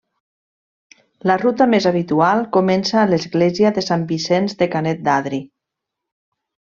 La ruta més habitual comença a l'església de Sant Vicenç de Canet d'Adri.